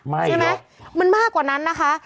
ไม่เหรอใช่ไหมมันมากกว่านั้นนะคะ